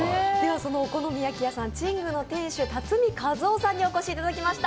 そのお好み焼き屋さん、チングの店主、巽和生さんにお越しいただきました。